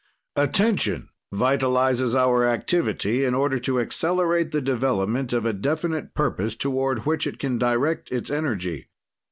"Attention vitalizes our activity in order to accelerate the development of a definite purpose toward which it can direct its energy.